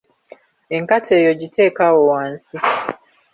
Enkata eyo giteeke awo wansi.